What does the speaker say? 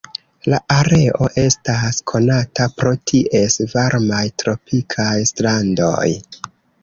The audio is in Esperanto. La areo estas konata pro ties varmaj tropikaj strandoj.